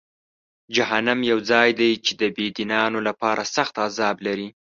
جهنم یو ځای دی چې د بېدینانو لپاره سخت عذاب لري.